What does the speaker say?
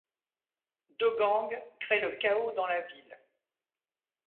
Deux gangs créent le chaos dans la ville.